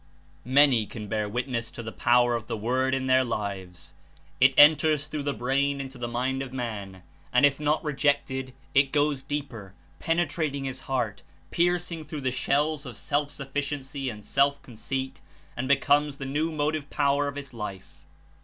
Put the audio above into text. Many can bear w^itness to the power of the Word 'in their lives. It enters through the brain into the mind of man, and if not rejected it goes owcr o deeper, penetrating his heart, piercing through the shells of self sufficiency and self conceit, and becomes the new motive power of his life.